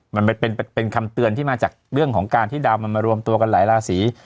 มันเป็นคำเตือนที่มาจากเรื่องของการที่ดาวมันมารวมตัวกันหลายราศี